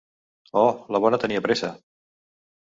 Oh, la bona tenia pressa.